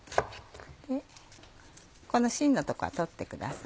この芯のとこは取ってください。